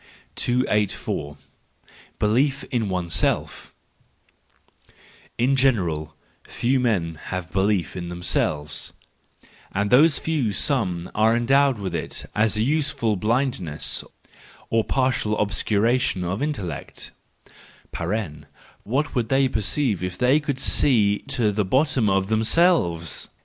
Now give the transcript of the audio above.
284. Belief in Oneself —In general, few men have belief in themselves :—and of those few some are endowed with it as a useful blindness or partial obscuration of intellect (what would they perceive if they could see to the bottom of themselves